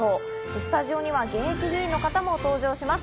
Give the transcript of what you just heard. スタジオには現役議員の方も登場します。